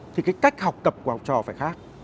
thì cái cách học tập của học trò phải khác